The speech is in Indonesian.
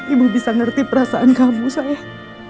ibu bisa ngerti perasaan kamu saya